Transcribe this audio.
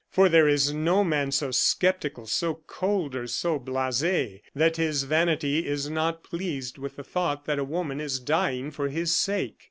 For there is no man so sceptical, so cold, or so blase that his vanity is not pleased with the thought that a woman is dying for his sake.